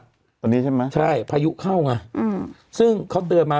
ตอนนี้ใช่ไหมใช่พายุเข้าไงอืมซึ่งเขาเตือนมา